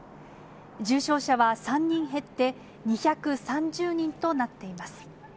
重症者は３人減って２３０人となっています。